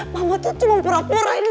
mama tuh cuma pura pura ini